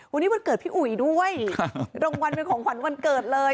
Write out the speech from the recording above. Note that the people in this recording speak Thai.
วันนี้วันเกิดพี่อุ๋ยด้วยรางวัลเป็นของขวัญวันเกิดเลย